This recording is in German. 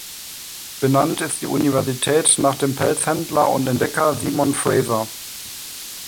Benannt ist die Universität nach dem Pelzhändler und Entdecker Simon Fraser.